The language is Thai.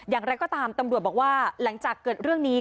อย่างไรก็ตามตำรวจบอกว่าหลังจากเกิดเรื่องนี้